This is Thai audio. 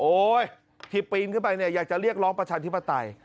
ที่ปีนขึ้นไปเนี่ยอยากจะเรียกร้องประชาธิปไตย